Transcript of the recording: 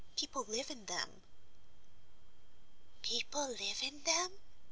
"People live in them." "People live in them!"